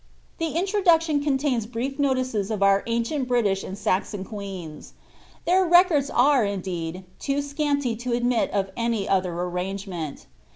The Introduction contains brief notices of our ancient British and Saxon queens. Their records are, indeed, too scanty to admit of any other arrangement.